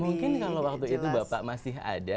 mungkin kalau waktu itu bapak masih ada